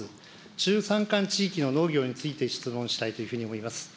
中山間地域の農業について質問したいというふうに思います。